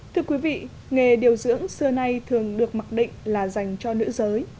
thưa quý vị nghề điều dưỡng xưa nay thường được mặc định là dành cho nữ giới